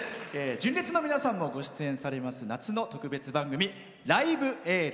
純烈の皆さんもご出演されます夏の特別番組「ライブエール」。